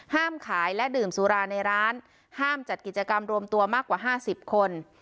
ห้ามขายและดื่มสุราในร้านห้ามจัดกิจกรรมรวมตัวมากกว่า๕๐คน